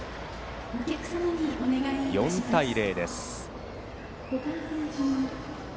４対０です。